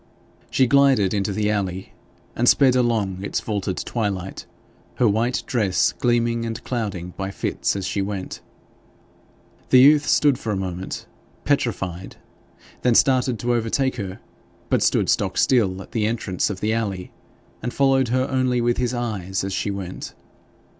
She glided into the alley and sped along its vaulted twilight, her white dress gleaming and clouding by fits as she went. The youth stood for a moment petrified, then started to overtake her, but stood stock still at the entrance of the alley, and followed her only with his eyes as she went.